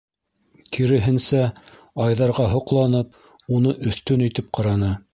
Киреһенсә, Айҙарға һоҡланып, уны өҫтөн итеп ҡараны.